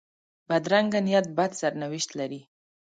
بدرنګه نیت بد سرنوشت لري